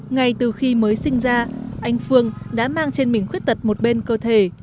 ngay từ khi mới sinh ra anh phương đã mang trên mình khuyết tật một bên cơ thể